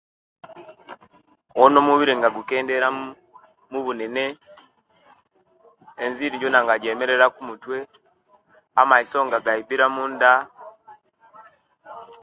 Owona omubiri nga gukendera mu mubunene, enziri jona nga jemerera kumutwe amaiso nga gayibira munda